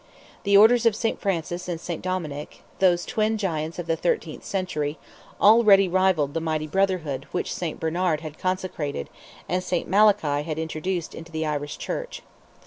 The orders of Saint Francis and Saint Dominick, those twin giants of the thirteenth century, already rivalled the mighty brotherhood which Saint Bernard had consecrated, and Saint Malachy had introduced into the Irish Church.